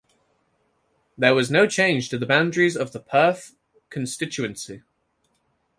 There was no change to the boundaries of the Perth constituency.